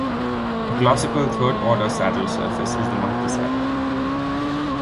A classical third-order saddle surface is the monkey saddle.